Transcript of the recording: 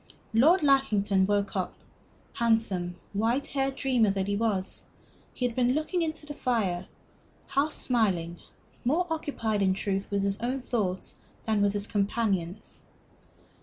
Lord Lackington woke up. Handsome, white haired dreamer that he was, he had been looking into the fire, half smiling, more occupied, in truth, with his own thoughts than with his companions.